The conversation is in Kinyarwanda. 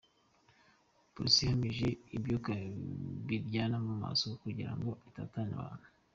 Polisi yamishe ibyuka biryani mu maso kugira ngo itatanye abantu.